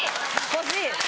欲しい。